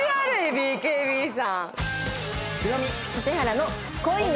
ＢＫＢさん。